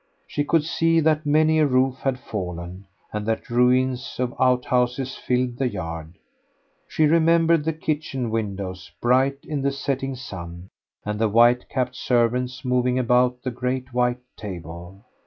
She could see that many a roof had fallen, and that ruins of outhouses filled the yard. She remembered the kitchen windows, bright in the setting sun, and the white capped servants moving about the great white table.